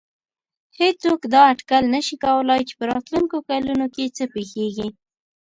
هېڅوک دا اټکل نه شي کولای چې راتلونکو کلونو کې څه پېښېږي.